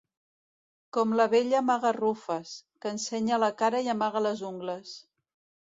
Com la vella Magarrufes, que ensenya la cara i amaga les ungles.